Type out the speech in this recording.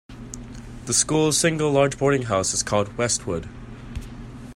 The school's single large boarding house is called Westwood.